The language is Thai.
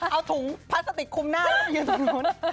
เอาถุงพลาสติกคุมหน้าแล้วไปยืนตรงนู้น